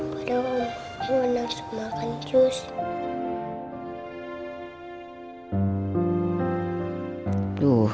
pada ungu yang langsung makan jus